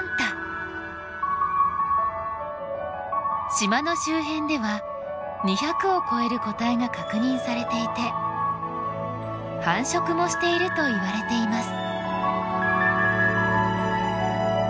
島の周辺では２００を超える個体が確認されていて繁殖もしているといわれています。